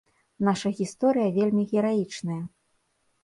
Наша гісторыя вельмі гераічная.